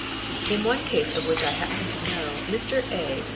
In one case of which I happen to know Mr. A.